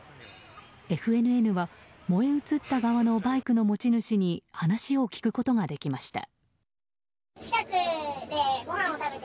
ＦＮＮは燃え移った側のバイクの持ち主に話を聞くことができました。